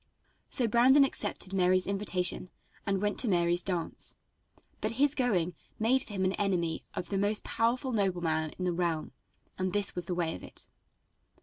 So Brandon accepted Mary's invitation and went to Mary's dance, but his going made for him an enemy of the most powerful nobleman in the realm, and this was the way of it.